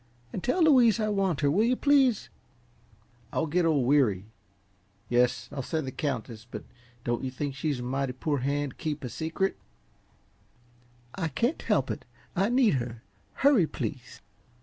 And tell Louise I want her, will you, please?" "I'll get old Weary. Yes, I'll send the Countess but don't you think she's a mighty poor hand to keep a secret?" "I can't help it I need her. Hurry, please."